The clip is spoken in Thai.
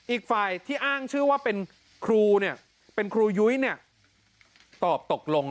อีกฝ่ายที่อ้างชื่อว่าเป็นครูเนี่ยเป็นครูยุ้ยเนี่ยตอบตกลง